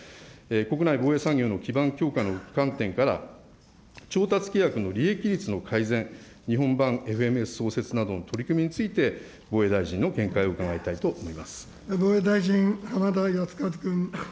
国内防衛産業の基盤強化の観点から、調達規約の利益率の改善、日本版ＦＭＳ創設の取り組みについて、防衛大臣の見解を伺いたいと思います。